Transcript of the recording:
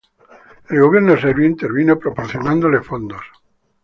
El Gobierno serbio intervino proporcionándole fondos.